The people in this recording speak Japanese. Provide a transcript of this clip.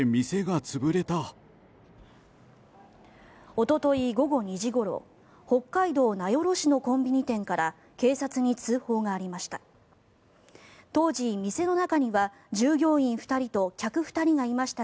おととい午後２時ごろ北海道名寄市のコンビニ店から警察に通報がありました。